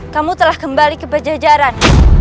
kamu telah kembali ke pejajaran